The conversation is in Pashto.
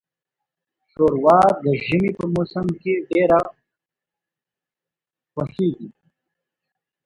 شوروا د ژمي په موسم کې ډیره خوښیږي.